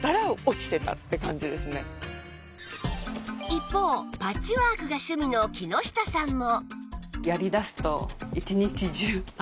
一方パッチワークが趣味の木下さんも